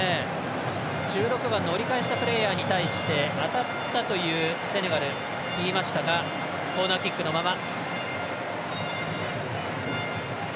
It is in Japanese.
１６番の折り返したプレーヤーに対して当たったというセネガル言いましたがコーナーキックのまま。